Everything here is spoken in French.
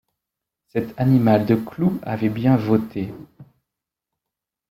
Cet animal de Clou avait bien voté.